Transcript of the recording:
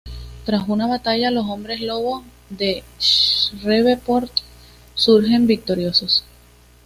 Tras una batalla, los hombres lobo de Shreveport surgen victoriosos.